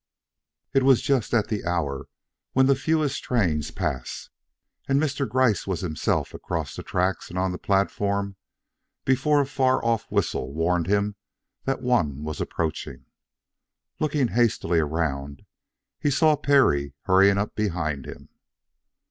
It was just at the hour when the fewest trains pass, and Mr. Gryce was himself across the tracks and on the platform before a far off whistle warned him that one was approaching. Looking hastily around, he saw Perry hurrying up behind him.